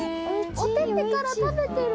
お手手から食べてる。